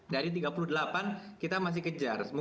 dari tiga puluh delapan kita masih kejar